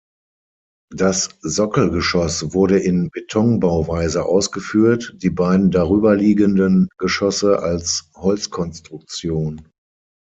Das Sockelgeschoss wurde in Betonbauweise ausgeführt; die beiden darüberliegenden Geschosse als Holzkonstruktion.